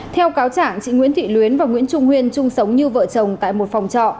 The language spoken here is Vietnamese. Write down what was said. theo cáo trạng chị nguyễn thị luyến và nguyễn trung nguyên chung sống như vợ chồng tại một phòng trọ